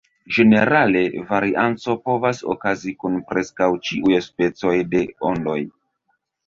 Ĝenerale varianco povas okazi kun preskaŭ ĉiuj specoj de ondoj.